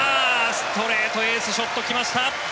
ストレートエースショット来ました。